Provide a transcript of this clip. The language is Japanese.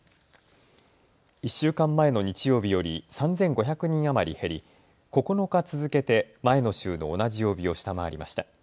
１週間前の日曜日より３５００人余り減り９日続けて前の週の同じ曜日を下回りました。